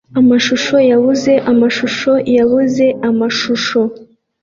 amashusho yabuze amashusho yabuze amashusho